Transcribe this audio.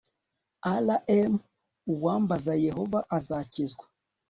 Rm uwambaza Yehova azakizwa